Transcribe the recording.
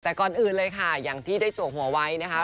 แต่ก่อนอื่นเลยค่ะอย่างที่ได้จวกหัวไว้นะคะ